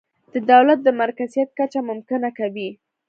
د دولت د مرکزیت کچه ممکنه کوي.